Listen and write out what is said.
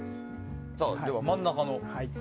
では真ん中の。